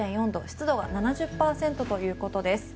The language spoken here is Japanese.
湿度は７０％ということです。